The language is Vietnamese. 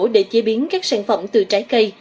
để chế biến các sản phẩm từ trái cây